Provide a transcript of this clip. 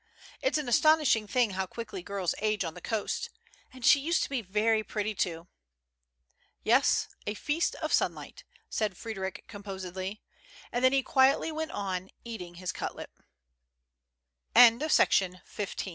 It's an astonishing thing how quickly girls age on the coast ; and she used to be very pretty, too." "Yes, a feast of sunlight," said Fr^d^ric composedly, and then he quietly went on ea